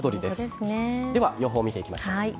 では、予報を見ていきましょう。